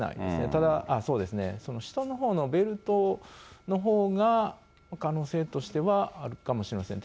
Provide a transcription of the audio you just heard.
ただ、そうですね、下のほうのベルトのほうが可能性としてはあるかもしれません。